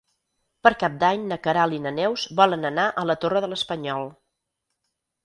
Per Cap d'Any na Queralt i na Neus volen anar a la Torre de l'Espanyol.